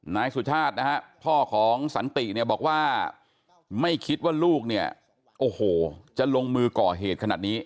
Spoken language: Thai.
นายสุชาติพ่อของสันติบอกว่าไม่คิดว่าลูกจะลงมือก่อเหตุขนาดนี้